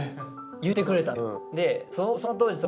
言ってくれたのよ。